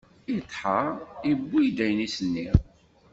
Iṭḥa iwwi-d ayen i s-nniɣ.